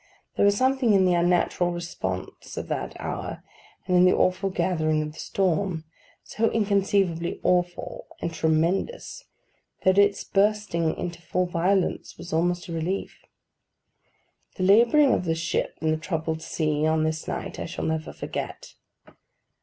There was something in the unnatural repose of that hour, and in the after gathering of the storm, so inconceivably awful and tremendous, that its bursting into full violence was almost a relief. The labouring of the ship in the troubled sea on this night I shall never forget.